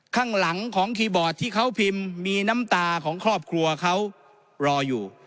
ข้างหลังของคีย์บอร์ดที่เขาพิมพ์มีน้ำตาของครอบครัวเขารออยู่